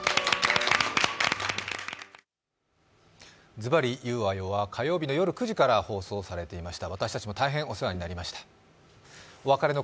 「ズバリ言うわよ！」は火曜日の夜９時から放送されていました。